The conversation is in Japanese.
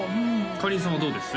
かりんさんはどうです？